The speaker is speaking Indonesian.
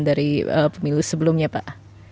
dari pemilih sebelumnya pak